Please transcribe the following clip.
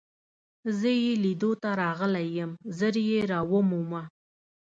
زه يې لیدو ته راغلی یم، ژر يې را ومومه.